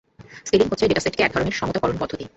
Scaling হচ্ছে ডেটাসেটকে একধরণের সমতা করন পদ্ধতি।